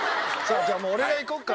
じゃあもう俺がいこうか。